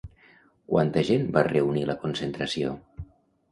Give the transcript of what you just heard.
Quanta gent va reunir la concentració?